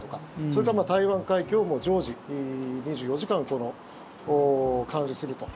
それから、台湾海峡は常時、２４時間監視すると。